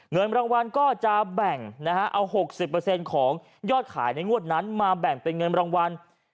เงินรางวัลก็จะแบ่งเอา๖๐ของยอดขายในงวดนั้นมาแบ่งเป็นเงินรางวัล